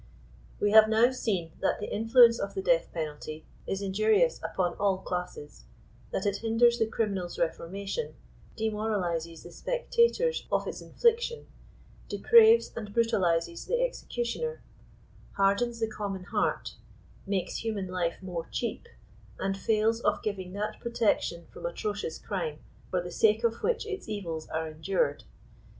We have now seen that the influence of the death penalty is injurious upon all classes ; that it hinders the criminal's reforma tion, demoralizes the spectators of its infliction, depraves and brutalizes the executioner, hardens the common heart, makes human life more cheap, and fails of giving that protection from atrocious crime, for the sake of which its evils are endured.